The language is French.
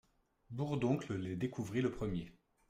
Bourdoncle les découvrit le premier.